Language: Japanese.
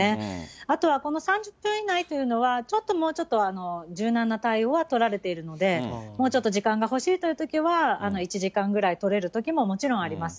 あとはこの３０分以内というのは、ちょっと、もうちょっと柔軟な対応は取られているので、もうちょっと時間が欲しいというときは、１時間ぐらい取れるときも、もちろんあります。